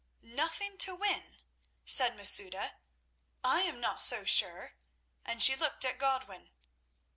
"Nothing to win?" said Masouda. "I am not so sure!" and she looked at Godwin.